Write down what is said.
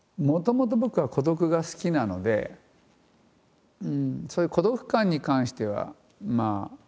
もともと僕は孤独が好きなのでそういう孤独感に関してはまあ。